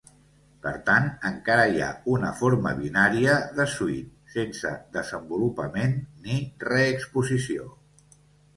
Per tant, encara hi ha una forma binària de suite, sense desenvolupament ni reexposició.